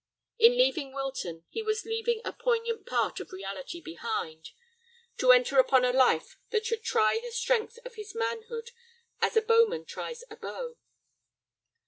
In leaving Wilton he was leaving a poignant part of reality behind, to enter upon a life that should try the strength of his manhood as a bowman tries a bow.